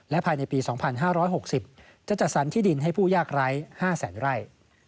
ภายในปี๒๕๖๐จะจัดสรรที่ดินให้ผู้ยากไร้๕แสนไร่